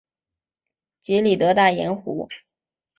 杰里德大盐湖。